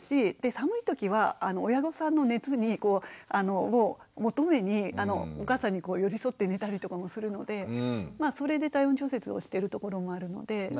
寒い時は親御さんの熱を求めにお母さんに寄り添って寝たりとかもするのでそれで体温調節をしてるところもあるので。